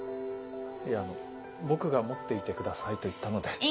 いやあの僕が持っていてくださいと言ったので。